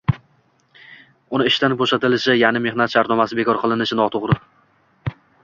uni ishdan bo‘shatilishi, ya’ni mehnat shartnomasi bekor qilinishi noto‘g‘ri.